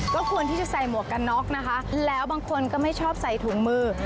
ก็ควรที่จะใส่หมวกกันน็อกนะคะแล้วบางคนก็ไม่ชอบใส่ถุงมือ